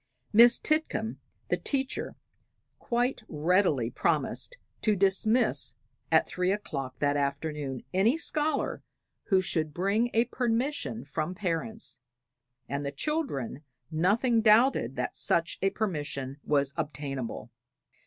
Miss Titcome, the teacher, quite readily promised to dismiss at three o'clock that afternoon any scholar who should bring a permission from parents, and the children nothing doubted that such a permission was obtainable.